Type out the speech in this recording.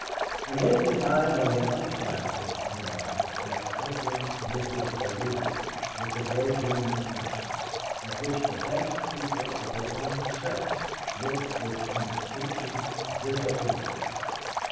And then to find on the other side of Mr. Pendyce that puzzling Mrs. Bellew with the green grey eyes, at which the best people of her own sex looked with instinctive disapproval!